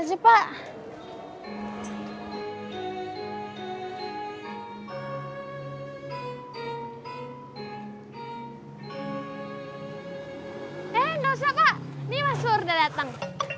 eh udah usah pak nih mas pur udah dateng